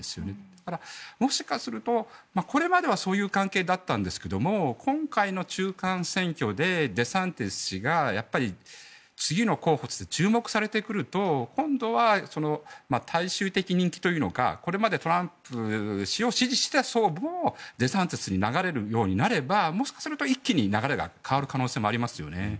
だからもしかするとこれまではそういう関係だったんですけども今回の中間選挙でデサンティス氏がやっぱり次の候補として注目されてくると今度は大衆的人気というのかこれまでトランプ氏を支持していた層もデサンティスのほうに流れるようになればもしかすると一気に流れが変わる可能性もありますよね。